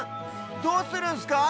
どうするんすか？